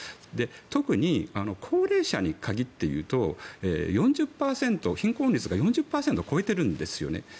特に高齢者に限って言うと貧困率が４０％を超えているんですよね。